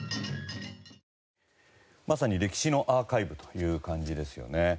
まさに歴史のアーカイブという感じですよね。